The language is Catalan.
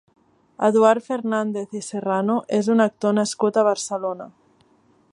Eduard Fernández i Serrano és un actor nascut a Barcelona.